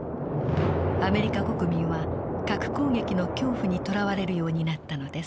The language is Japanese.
アメリカ国民は核攻撃の恐怖にとらわれるようになったのです。